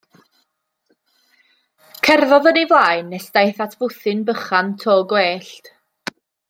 Cerddodd yn ei flaen nes daeth at fwthyn bychan to gwellt.